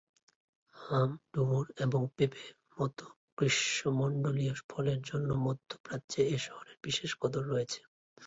আম, ডুমুর, এবং পেঁপে মত গ্রীষ্মমন্ডলীয় ফলের জন্য মধ্যপ্রাচ্যে এ শহরের বিশেষ কদর রয়েছে।